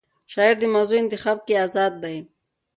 شاعر د موضوع انتخاب کې آزاد دی.